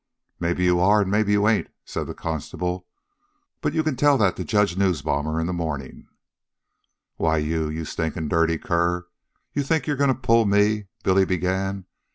"Maybe you are an' maybe you ain't," said the constable; "but you can tell all that to Judge Neusbaumer in the mornin'." "Why you... you stinkin', dirty cur, you think you're goin' to pull me," Billy began.